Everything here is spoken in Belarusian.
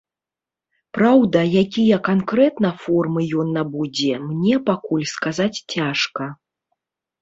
Праўда, якія канкрэтна формы ён набудзе, мне пакуль сказаць цяжка.